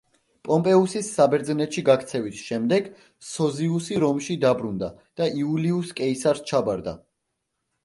პომპეუსის საბერძნეთში გაქცევის შემდეგ, სოზიუსი რომში დაბრუნდა და იულიუს კეისარს ჩაბარდა.